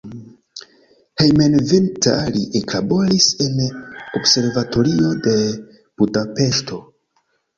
Hejmenveninta li eklaboris en observatorio de Budapeŝto.